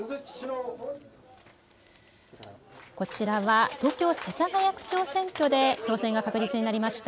こちらは東京世田谷区長選挙で当選が確実になりました